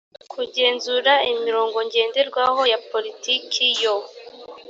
kugenzura imirongo ngenderwaho ya politiki yo